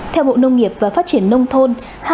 theo bộ nông nghiệp và phát triển nông thôn